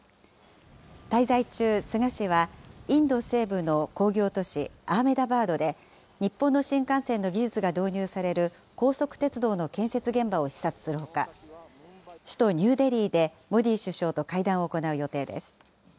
滞在中、菅氏は、インド西部の工業都市アーメダバードで、日本の新幹線の技術が導入される高速鉄道の建設現場を視察するほか、首都ニューデリーでモディ首相と会談を行う予定です。